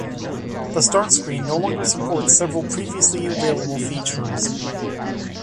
The Start screen no longer supports several previously available features.